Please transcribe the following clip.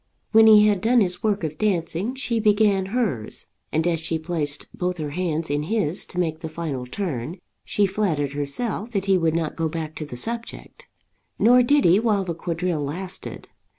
When he had done his work of dancing, she began hers, and as she placed both her hands in his to make the final turn, she flattered herself that he would not go back to the subject. Nor did he while the quadrille lasted.